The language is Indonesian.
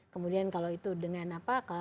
kemudian kalau itu dengan apa